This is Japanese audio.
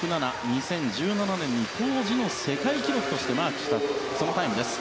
２０１７年に当時の世界記録としてマークしたタイムです。